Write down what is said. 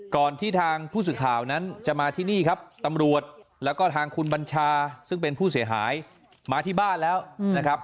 ก่อนที่ทางผู้สื่อข่าวนั้นจะมาที่นี่ครับตำรวจแล้วก็ทางคุณบัญชาซึ่งเป็นผู้เสียหายมาที่บ้านแล้วนะครับ